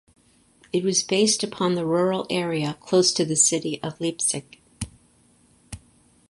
It was based upon the rural area close to the city of Leipzig.